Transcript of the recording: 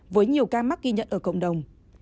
với nhiều ca mắc ghi nhận ở cộng đồng